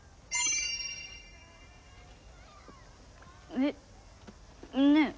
えっ？ねえ。